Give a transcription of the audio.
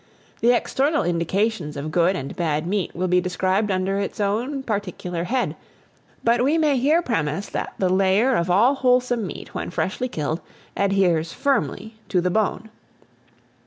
The external indications of good and bad meat will be described under its own particular head, but we may here premise that the layer of all wholesome meat, when freshly killed, adheres firmly to the bone.